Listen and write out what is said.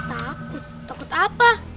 hah takut takut apa